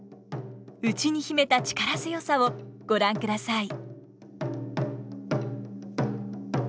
内に秘めた力強さをご覧ください。